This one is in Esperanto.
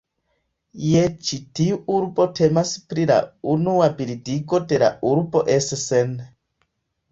Je ĉi tiu urbo temas pri la unua bildigo de la urbo Essen.